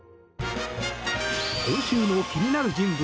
今週の気になる人物